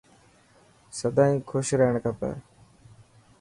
سدائين خوش رهڻ کپي.